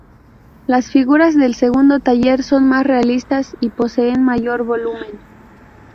Las figuras del segundo taller son más realistas y poseen mayor volumen.